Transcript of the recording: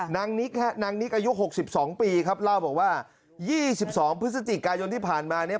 นิกฮะนางนิกอายุ๖๒ปีครับเล่าบอกว่า๒๒พฤศจิกายนที่ผ่านมาเนี่ย